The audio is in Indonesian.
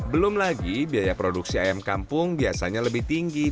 belum lagi biaya produksi ayam kampung biasanya lebih tinggi